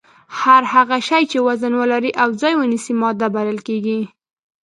هر هغه شی چې وزن ولري او ځای ونیسي ماده بلل کیږي